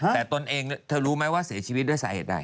แต่ตนเองเธอรู้ไหมว่าเสียชีวิตด้วยสาเหตุใด